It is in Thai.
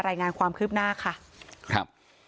พ่อของสทเปี๊ยกบอกว่า